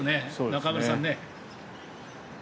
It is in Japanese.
中丸さんね。